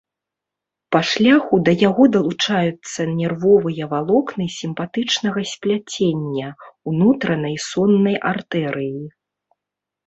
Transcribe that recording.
Па шляху да яго далучаюцца нервовыя валокны сімпатычнага спляцення унутранай соннай артэрыі.